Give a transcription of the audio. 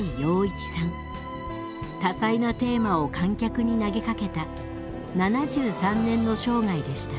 多彩なテーマを観客に投げかけた７３年の生涯でした。